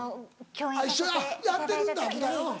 一緒にやってるんだ舞台うん。